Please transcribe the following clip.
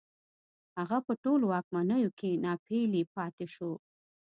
هغه په ټولو واکمنیو کې ناپېیلی پاتې شو